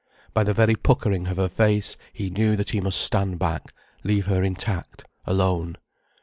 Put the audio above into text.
By the very puckering of her face he knew that he must stand back, leave her intact, alone.